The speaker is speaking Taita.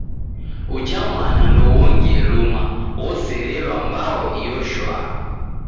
Uja mwana ndouongie luma, ooserelwa mbao iyo shwaa.